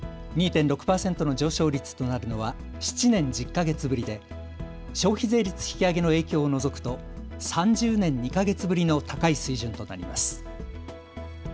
２．６％の上昇率となるのは７年１０か月ぶりで、消費税率引き上げの影響を除くと３０年２か月ぶりの高い水準となります。